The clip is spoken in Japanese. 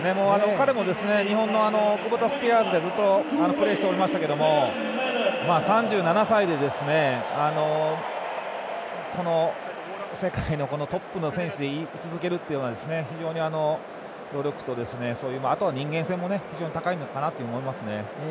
彼も日本のクボタスピアーズでずっとプレーしてましたけれども３７歳で、世界のトップの選手でい続けるというのは非常に努力とあとは、人間性も非常に高いのかなと思いますね。